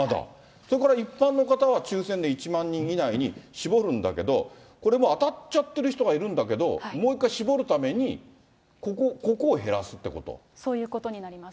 それから一般の方は、抽せんで１万人以内に絞るんだけど、これもう当たっちゃってる人がいるんだけども、もう一回絞るためそういうことになります。